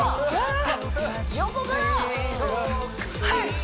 はい！